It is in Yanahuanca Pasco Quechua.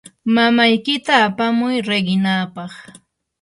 mamaykita apamuy riqinaapaq.